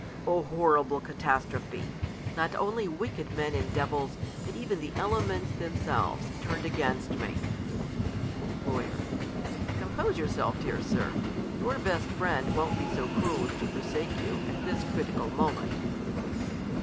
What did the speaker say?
O horrible ca tastrophe ! Not only wicked men and devils, but even the elements themselves have turned against me. Law. Compose yourself, dear Sir. Your best friend won't be so cruel as to forsake you, at this critical mo men t.